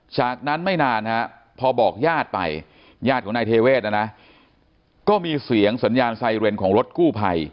จากนั้นไม่นานพอบอกญาติไปญาติของนายเทเวศนะนะก็มีเสียงสัญญาณไซเรนของรถกู้ภัย